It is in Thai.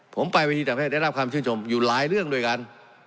ผมไปวิธีต่างประเทศได้รับความชื่นชมอยู่หลายเรื่องด้วยกัน